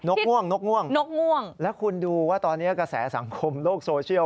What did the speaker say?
นกม่วงแล้วคุณดูว่าตอนนี้กระแสสังคมโลกโซเชียล